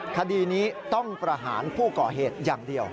คดีนี้ต้องประหารผู้ก่อเหตุอย่างเดียว